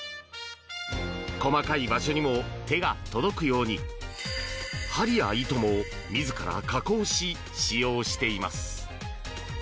細かい場所にも手が届くように針や、糸も自ら加工し使用しています。